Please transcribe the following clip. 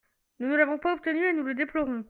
Nous ne l’avons pas obtenu et nous le déplorons.